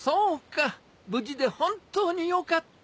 無事で本当によかった。